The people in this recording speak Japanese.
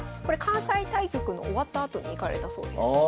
これ関西対局の終わったあとに行かれたそうです。